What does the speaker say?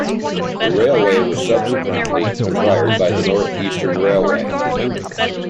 The railway was subsequently acquired by the North Eastern Railway.